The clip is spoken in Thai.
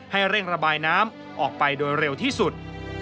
เร่งระบายน้ำออกไปโดยเร็วที่สุด